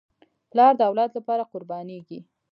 پلار د اولاد لپاره قربانېږي.